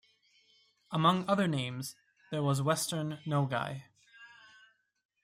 Among other names, there was Western Nogai.